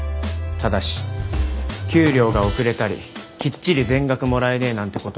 ただし給料が遅れたりきっちり全額もらえねえなんてことがあったら即辞める。